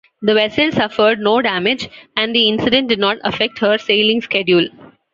The vessel suffered no damage and the incident did not affect her sailing schedule.